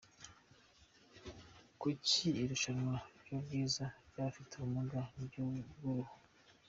Kuki irushanwa ry’ubwiza ry’abafite ubumuga bw’uruhu?.